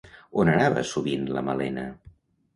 On anava, sovint, la Malena?